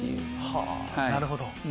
はぁなるほど。